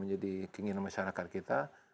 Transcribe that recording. menjadi keinginan masyarakat kita